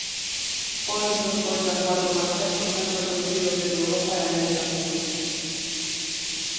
Foi un dos poetas guatemaltecos máis recoñecidos en Europa e América do Sur.